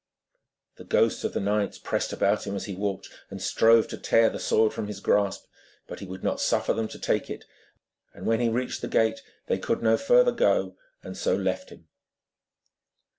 The ghosts of the knights pressed about him as he walked, and strove to tear the sword from his grasp. But he would not suffer them to take it, and when he reached the gate they could no further go, and so left him.